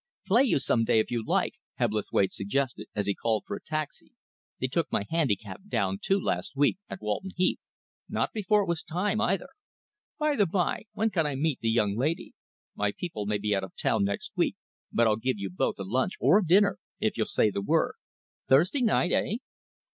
"Play you some day, if you like," Hebblethwaite suggested, as he called for a taxi. "They took my handicap down two last week at Walton Heath not before it was time, either. By the by, when can I meet the young lady? My people may be out of town next week, but I'll give you both a lunch or a dinner, if you'll say the word. Thursday night, eh?"